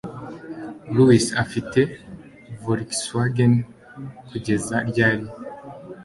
Luis afite Volkswagen kugeza ryari?